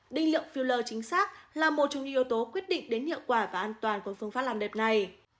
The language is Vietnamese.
đi liệu filler chính xác là một trong những yếu tố quyết định đến hiệu quả và an toàn của phương pháp làm đẹp này